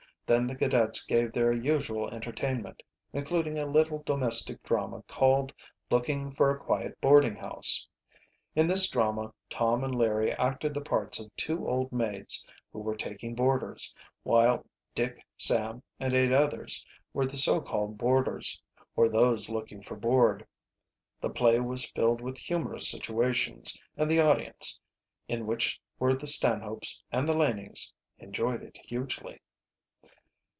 Then the cadets gave their usual entertainment, including a little domestic drama called "Looking for a Quiet Boarding House." In this drama Tom and Larry acted the parts of two old maids who were taking boarders, while Dick, Sam, and eight others were the so called boarders, or those looking for board. The play was filled with humorous situations, and the audience, in which were the Stanhopes and the Lanings, enjoyed it hugely.